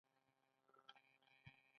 آیا دا یو نوی اقتصادي سکتور نه دی؟